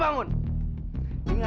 maka dia tidak apa apa